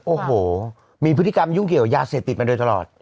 โอ้โหมีพฤติกรรมยุ่งเกี่ยวยาเสพติดมาโดยตลอด